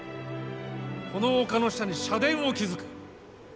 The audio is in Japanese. この丘の下に社殿を築く。